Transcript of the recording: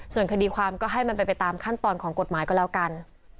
ส่วนคดีความก็ให้มันเป็นไปตามขั้นตอนของกฎหมายก็แล้วกัน